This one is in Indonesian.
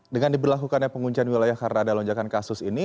dengan diberlakukannya penguncian wilayah karena ada lonjakan kasus ini